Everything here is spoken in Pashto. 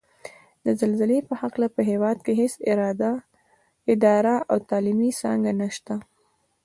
د زلزلې په هکله په هېواد کې هېڅ اداره او تعلیمي څانګه نشته ده